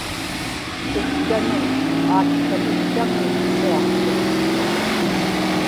iktanun aatkaniktaŋi suaqłuit